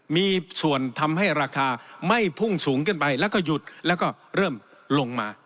มีส่วนทำให้ราคาไม่พุ่งสูงขึ้นไปแล้วก็หยุดแล้วก็เริ่มลงมา